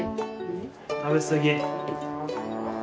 食べ過ぎ。